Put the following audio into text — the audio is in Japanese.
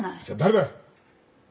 じゃ誰だ。